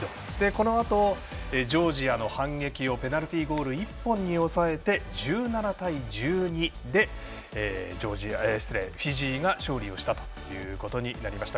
このあと、ジョージアの反撃をペナルティゴール１本に抑えて１７対１２でフィジーが勝利をしました。